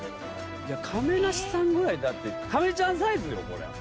いや亀梨さんぐらいだって亀ちゃんサイズよこれ。